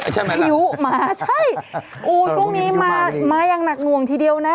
ใช่ไหมคิ้วมาใช่โอ้ช่วงนี้มามาอย่างหนักหน่วงทีเดียวนะ